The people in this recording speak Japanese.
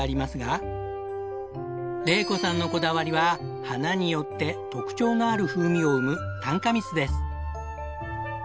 玲子さんのこだわりは花によって特徴のある風味を生む単花蜜です。